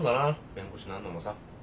弁護士なるのもさ。